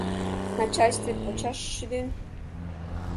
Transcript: Начальстве почаш шӱден?